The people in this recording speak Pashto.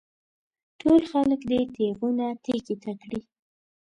ټول خلک دې تېغونه تېکې ته کړي.